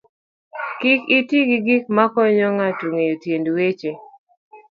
Kik iti gi gik m akonyo ng'ato ng'eyo tiend weche